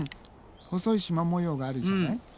細い縞模様があるじゃない？